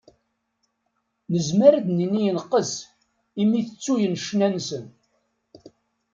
Nezmer ad d-nini yenqes imi tettuyen ccna-nsen.